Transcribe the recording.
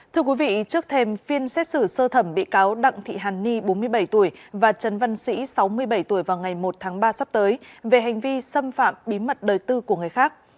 thưa quý vị trước thêm phiên xét xử sơ thẩm bị cáo đặng thị hàn ni bốn mươi bảy tuổi và trần văn sĩ sáu mươi bảy tuổi vào ngày một tháng ba sắp tới về hành vi xâm phạm bí mật đời tư của người khác